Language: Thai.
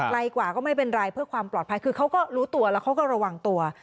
ไกลกว่าก็ไม่เป็นไรเพื่อความปลอดภัยคือเขาก็รู้ตัวแล้วเขาก็ระวังตัว